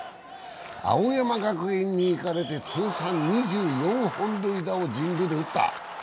青山学院に行かれて通算２４本塁打を神宮で打った。